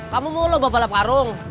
kamu mau lomba balap karung